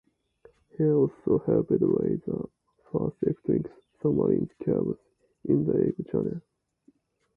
He also helped lay the first electric submarine cable in the English Channel.